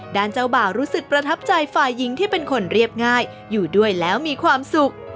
ด้านเจ้าบ่าวรู้สึกประทับใจฝ่ายหญิงที่เป็นคนเรียบง่ายอยู่ด้วยแล้วมีความสุข